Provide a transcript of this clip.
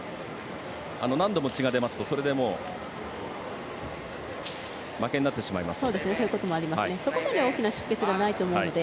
何度も血が出ますとそれでもう負けになってしまうので。